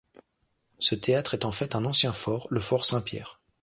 Ce théâtre est en fait un ancien fort, le fort Saint-Pierre.